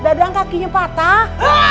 dadang kakinya patah